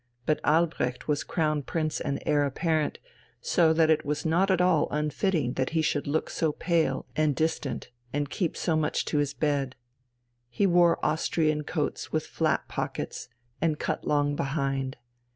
But Albrecht was Crown Prince and Heir Apparent, so that it was not at all unfitting that he should look so pale and distant and keep so much to his bed. He wore Austrian coats with flap pockets and cut long behind.